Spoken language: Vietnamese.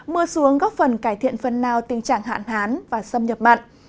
mưa xuống góp phần cải thiện phần nào tình trạng hạn hán và xâm nhập mặn